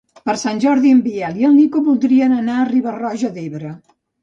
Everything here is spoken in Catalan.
Per Sant Jordi en Biel i en Nico voldrien anar a Riba-roja d'Ebre.